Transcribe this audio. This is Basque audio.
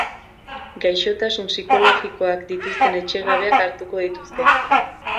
Gaixotasun psikologikoak dituzten etxegabeak hartuko dituzte.